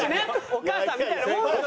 お母さんみたいなもんだし。